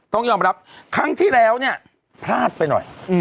ต้องยอมรับครั้งที่แล้วเนี่ยพลาดไปหน่อย